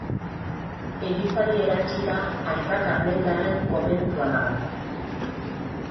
Elizari erantsita Aita Karmeldarren komentua dago.